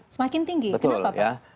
semakin tinggi kenapa pak